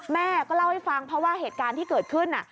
แม่ก็เล่าให้ฟังเพราะว่าเหตุการณ์ที่เกิดขึ้น